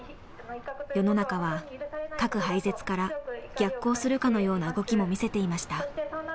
世の中は核廃絶から逆行するかのような動きも見せていました。